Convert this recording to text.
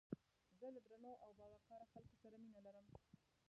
زه له درنو او باوقاره خلکو سره مينه لرم